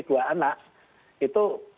dua anak itu